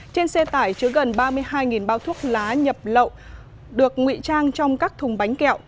trên xe tải chứa gần ba mươi hai bao thuốc lá nhập lậu được nguy trang trong các thùng bánh kẹo